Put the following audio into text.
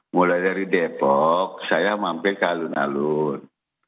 mulai dari depok saya sampai ke alun alun